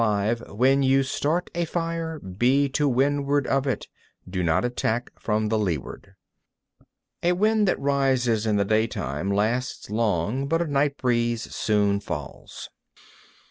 (5) When you start a fire, be to windward of it. Do not attack from the leeward. 11. A wind that rises in the daytime lasts long, but a night breeze soon falls.